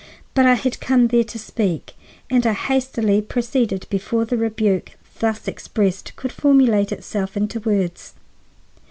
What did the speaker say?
But I had come there to speak, and I hastily proceeded before the rebuke thus expressed could formulate itself into words.